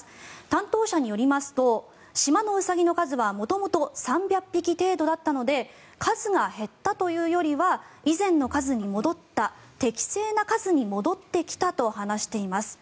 担当者によりますと島のウサギの数は元々３００匹程度だったので数が減ったというよりは以前の数に戻った適正な数に戻ってきたと話しています。